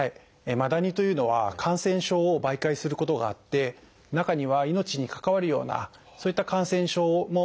マダニというのは感染症を媒介することがあって中には命に関わるようなそういった感染症もあります。